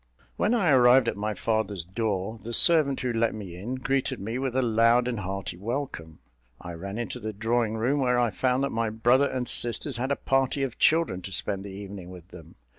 When I arrived at my father's door, the servant who let me in, greeted me with a loud and hearty welcome. I ran into the drawing room, where I found that my brother and sisters had a party of children to spend the evening with them.